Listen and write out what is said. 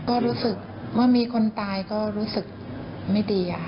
ก็รู้สึกว่ามีคนตายก็รู้สึกไม่ดีค่ะ